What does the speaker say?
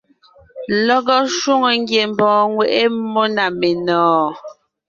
Lelɔgɔ shwòŋo ngiembɔɔn ŋweʼe mmó na menɔ̀ɔn.